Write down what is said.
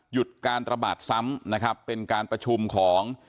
หยุดการระบาดซ้ำนะครับเป็นการประชุมของ